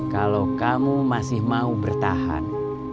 kalau kamu masih mau bertahan